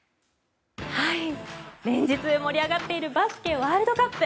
連日盛り上がっているバスケワールドカップ。